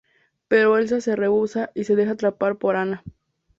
Pero Elsa se rehúsa y se deja atrapar por Anna.